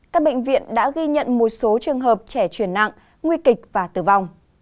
các bệnh viện đã ghi nhận một số trường hợp trẻ chuyển nặng nguy kịch và tử vong